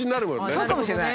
そうかもしれない。